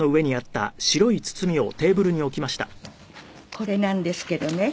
これなんですけどね。